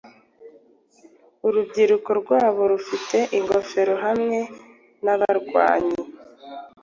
Urubyiruko rwabo rufite ingofero hamwe nabarwanyi